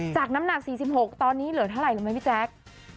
น้ำหนัก๔๖ตอนนี้เหลือเท่าไหร่รู้ไหมพี่แจ๊ค